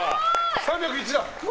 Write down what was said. ３０１だ。